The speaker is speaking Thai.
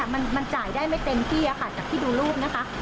มันจ่ายได้ไม่เต็มที่ค่ะจากที่ดูรูปนะคะ